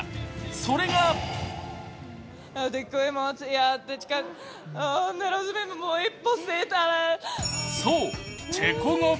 それがそう、チェコ語。